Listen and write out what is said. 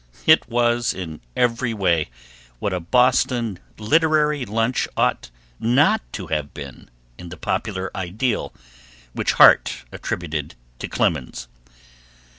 It was in every way what a Boston literary lunch ought not to have been in the popular ideal which Harte attributed to Clemens.